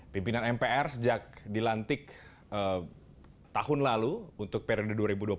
pimpinan mpr sejak dilantik tahun lalu untuk periode dua ribu dua puluh